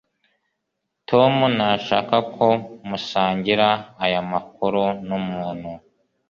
tom ntashaka ko musangira aya makuru numuntu